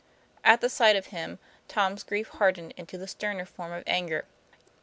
At the sight of him, Tom's grief hardened into the sterner form of anger.